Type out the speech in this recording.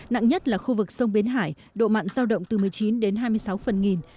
nặng nhất là khu vực sông bến hải độ mặn giao động từ một mươi chín đến hai mươi sáu phần nghìn